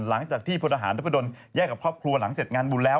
หลังจากที่พลทหารนพดลแยกกับครอบครัวหลังเสร็จงานบุญแล้ว